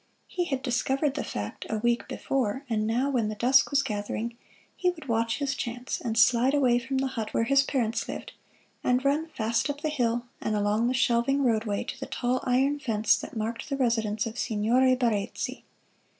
He had discovered the fact a week before, and now, when the dusk was gathering, he would watch his chance and slide away from the hut where his parents lived, and run fast up the hill, and along the shelving roadway to the tall iron fence that marked the residence of Signore Barezzi.